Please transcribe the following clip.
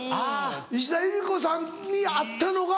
石田ゆり子さんに会ったのが。